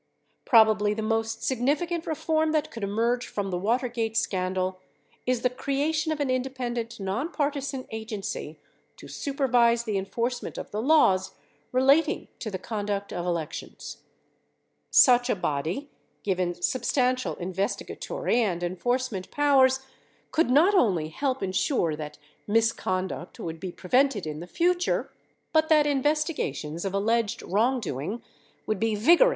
Probably the most significant reform that could emerge from the Watergate scandal is the creation of an independent nonpartisan agen cy to supervise the enforcement of the laws relating to the conduct of elections. Such a body — given substantial investigatory and en forcement powers — could not only help insure that misconduct would be prevented in the future, but that investigations of alleged wrong doing would be vigorous and conducted with the confidence of the public.